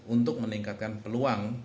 untuk meningkatkan peluang